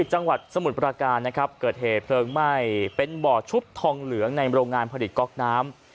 จังหวัดสมุทรประการนะครับเกิดเหตุเพลิงไหม้เป็นบ่อชุบทองเหลืองในโรงงานผลิตก๊อกน้ำ